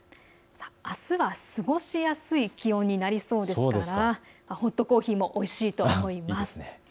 あすは過ごしやすい気温になりそうですからホットコーヒーもおいしいと思います。